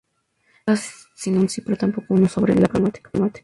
Nos deja sin un sí pero tampoco un no sobre la problemática.